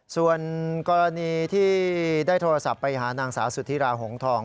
ส่วนกรณีที่ได้โทรศัพท์ไปหานางสาวสุธิราหงทอง